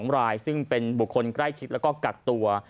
๒รายซึ่งเป็นบุคคลใกล้ชิดแล้วก็กักตัว